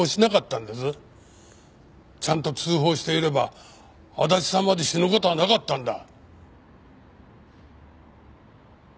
ちゃんと通報していれば足立さんまで死ぬ事はなかったんだ。